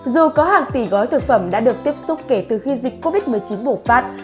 dù có hàng tỷ gói thực phẩm đã được tiếp xúc kể từ khi dịch covid một mươi chín bùng phát